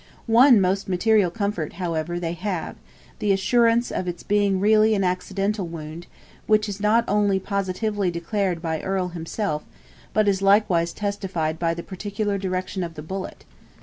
One most material comfort, however, they have; the assurance of its being really an accidental wound, which is not only positively declared by Earle himself, but is likewise testified by the particular direction of the bullet.